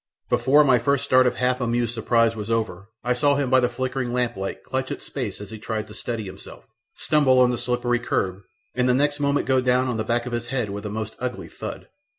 Before my first start of half amused surprise was over I saw him by the flickering lamp light clutch at space as he tried to steady himself, stumble on the slippery curb, and the next moment go down on the back of his head with a most ugly thud.